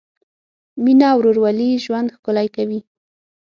مینه او ورورولي ژوند ښکلی کوي.